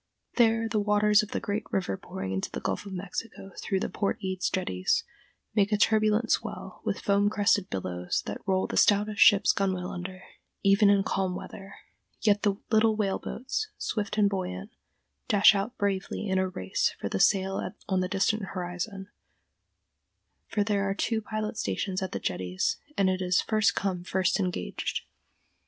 There the waters of the great river pouring into the Gulf of Mexico through the Port Eads Jetties make a turbulent swell with foam crested billows that roll the stoutest ship's gunwale under, even in calm weather; yet the little whale boats, swift and buoyant, dash out bravely in a race for the sail on the distant horizon, for there are two pilot stations at the Jetties, and it is "first come first engaged."